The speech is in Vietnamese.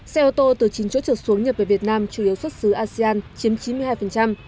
xe ô tô từ chín chỗ trượt xuống nhập về việt nam chủ yếu xuất xứ asean chiếm chín mươi hai